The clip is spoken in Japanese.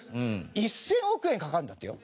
１０００億円かかるんだってよ。